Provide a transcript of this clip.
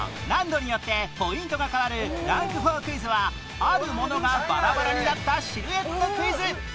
難度によってポイントが変わるランク４クイズはあるものがバラバラになったシルエットクイズ